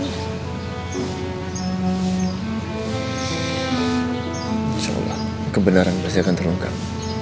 insya allah kebenaran pasti akan terungkap